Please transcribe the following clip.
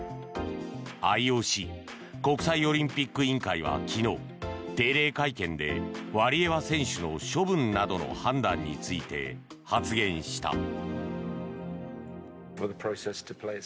ＩＯＣ・国際オリンピック委員会は昨日定例会見でワリエワ選手の処分などの判断について発言した。